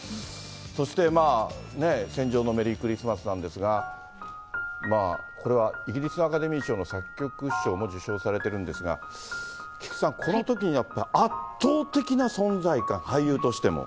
そしてまあね、戦場のメリークリスマスなんですが、これはイギリス・アカデミー賞の作曲賞も受賞されているんですが、菊池さん、このときにやっぱ、圧倒的な存在感、俳優としても。